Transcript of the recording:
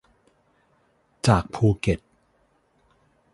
จากภูเก็ต